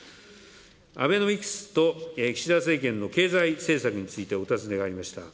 アベノミクスと岸田政権の経済政策についてお尋ねがありました。